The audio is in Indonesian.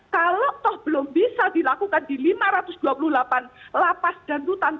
kalau toh belum bisa dilakukan di lima ratus dua puluh delapan lapas dan rutan